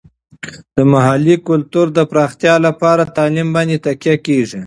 د محلي کلتور د پراختیا لپاره تعلیم باندې تکیه کیږي.